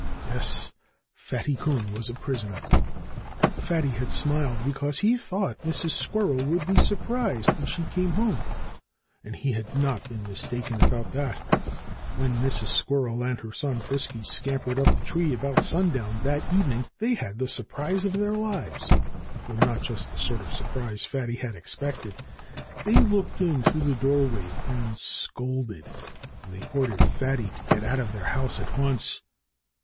Yes! Fatty Coon was a prisoner. Fatty had smiled because he thought Mrs. Squirrel would be surprised when she came home. And he had not been mistaken about that. When Mrs. Squirrel and her son Frisky scampered up the tree about sundown that evening they had the surprise of their lives though not just the sort of surprise Fatty had expected. They looked in through their doorway and scolded. And they ordered Fatty to get out of their house at once.